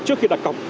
trước khi đặt cọc